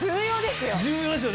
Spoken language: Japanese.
重要ですよ！